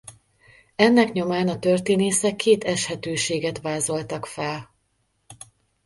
Ennek nyomán a történészek két eshetőséget vázoltak fel.